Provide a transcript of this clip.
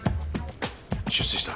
出世した。